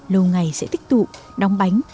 lâu ngày sẽ tích tụ đóng bánh